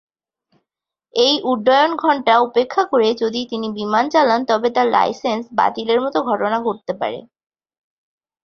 এই উড্ডয়ন-ঘণ্টা উপেক্ষা করে যদি তিনি বিমান চালান, তবে তার লাইসেন্স বাতিলের মত ঘটনা ঘটতে পারে।